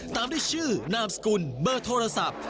ตามด้วยชื่อนามสกุลเบอร์โทรศัพท์